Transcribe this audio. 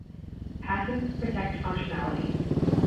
Patents protect functionality.